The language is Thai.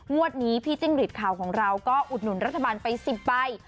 งวดนี้พี่จิ้งหลีดข่าวของเราก็อุดหนุนรัฐบาลไป๑๐ใบ